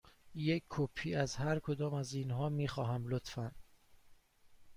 یک کپی از هر کدام از اینها می خواهم، لطفاً.